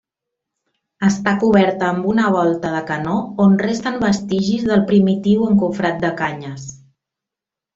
Està coberta amb una volta de canó on resten vestigis del primitiu encofrat de canyes.